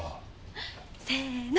せの！